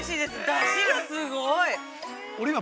だしがすごい！